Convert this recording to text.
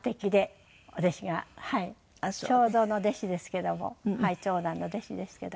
正蔵の弟子ですけども長男の弟子ですけど。